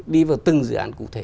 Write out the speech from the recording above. đi vào từng dự án cụ thể